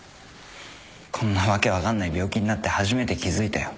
こんな訳分かんない病気になって初めて気付いたよ。